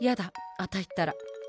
あたいったら。